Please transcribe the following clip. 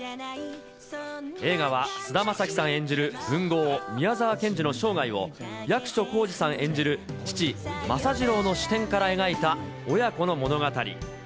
映画は、菅田将暉さん演じる文豪、宮沢賢治の生涯を、役所広司さん演じる父、政次郎の視点から描いた親子の物語。